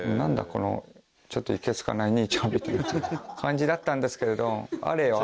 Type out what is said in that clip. このちょっといけすかない兄ちゃんみたいな感じだったんですけれどあれよ